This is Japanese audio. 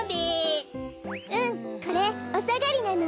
うんこれおさがりなの。